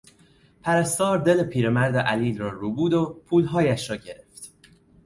پرستار دل پیرمرد علیل را ربود و پولهایش را گرفت.